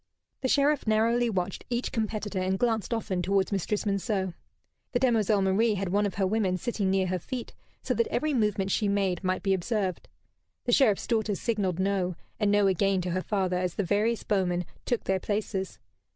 The Sheriff narrowly watched each competitor, and glanced often towards Mistress Monceux. The demoiselle Marie had one of her women sitting near her feet, so that every movement she made might be observed. The Sheriff's daughter signalled "No," and "No" again to her father as the various bowmen took their places.